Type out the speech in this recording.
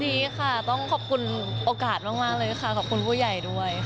วันนี้ค่ะต้องขอบคุณโอกาสมากเลยค่ะขอบคุณผู้ใหญ่ด้วยค่ะ